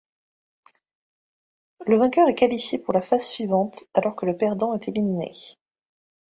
Le vainqueur est qualifié pour la phase suivante, alors que le perdant est éliminé.